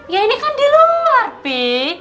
ya ini kan diluar bi